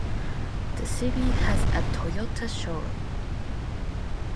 The city has a Toyota Showroom.